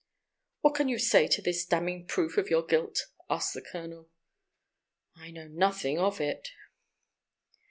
"What can you say to this damning proof of your guilt?" asked the colonel. "I know nothing of it."